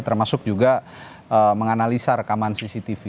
termasuk juga menganalisa rekaman cctv